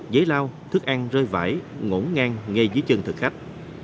giấy lau thức ăn rơi vải ngổn ngang ngay dưới chân thực khách